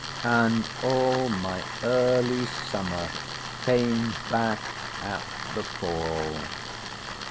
And all my early summer came back at the call.